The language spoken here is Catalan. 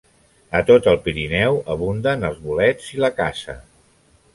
A tot el Pirineu abunden els bolets i la caça.